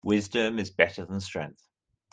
Wisdom is better than strength.